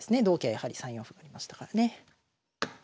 やはり３四歩がありましたからね。